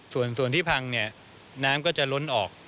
ส่วนที่พังเนี่ยน้ำก็จะล้นออก